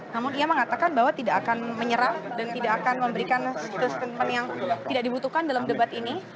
namun ia mengatakan bahwa tidak akan menyerang dan tidak akan memberikan statement yang tidak dibutuhkan dalam debat ini